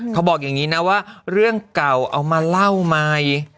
เขาบอกอย่างนี้นะว่าเรื่องเก่าเอามาเล่าใหม่